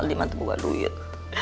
diman tuh buka duit